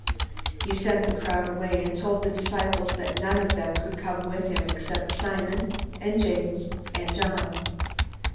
He sent the crowd away, and told the disciples that none of them could come with him except Simon and James and John.